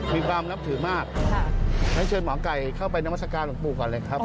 มีความนับถือมากงั้นเชิญหมอไก่เข้าไปนามัศกาลหลวงปู่ก่อนเลยครับ